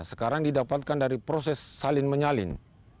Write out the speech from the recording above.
sekarang didapatkan dari proses salin menyalin